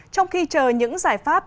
trong khi chờ những giải pháp